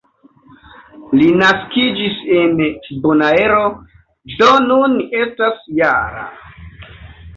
Li naskiĝis en Bonaero, do nun estas -jara.